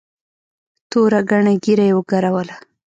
توره گڼه ږيره يې وګروله.